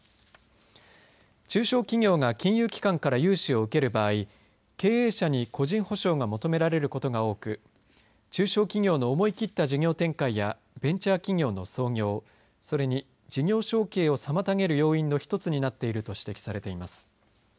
中小企業が金融機関から融資を受ける場合経営者に個人保証が求められることが多く中小企業の思い切った事業展開やベンチャー企業の創業それに事業承継を妨げる要因の１つになっていると指摘されています。